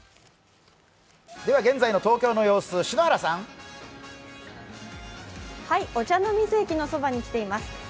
現在の東京の様子、篠原さん御茶ノ水駅のそばに来ています。